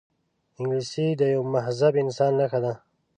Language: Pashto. انګلیسي د یوه مهذب انسان نښه ده